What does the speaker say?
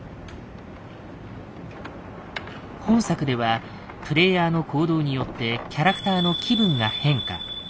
本作ではプレイヤーの行動によってキャラクターの気分が変化。